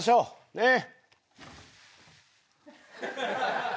ねっ！